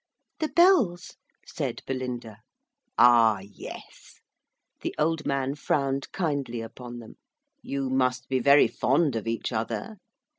'The bells,' said Belinda. 'Ah, yes.' The old man frowned kindly upon them. 'You must be very fond of each other?'